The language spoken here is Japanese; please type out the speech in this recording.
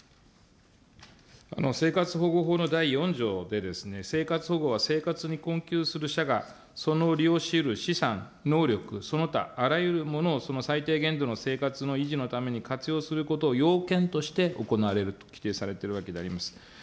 生活保護法の第４条で、生活保護は生活に困窮する者がその利用しうる資産、能力、その他あらゆるものをその最低限度の生活の維持のために活用することを要件として行われると規定されているわけであります。